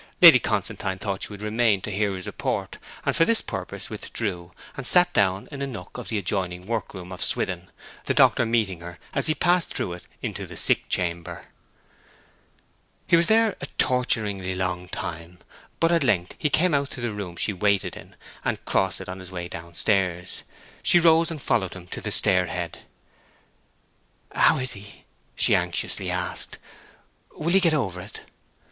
Lady Constantine thought she would remain to hear his report, and for this purpose withdrew, and sat down in a nook of the adjoining work room of Swithin, the doctor meeting her as he passed through it into the sick chamber. He was there a torturingly long time; but at length he came out to the room she waited in, and crossed it on his way downstairs. She rose and followed him to the stairhead. 'How is he?' she anxiously asked. 'Will he get over it?'